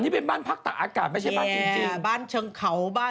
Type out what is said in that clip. อ๋อนี่บ้านใกล้ที่ไฟแม่